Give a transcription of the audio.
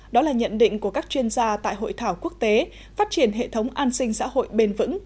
đó là nhận định của các chuyên gia tại hội thảo quốc tế phát triển hệ thống an sinh xã hội bền vững